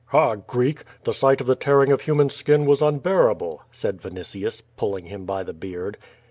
"Ha, Greek! The sight of the tearing of human skin wns unbearable," said Vinitius, pulling him by the beard.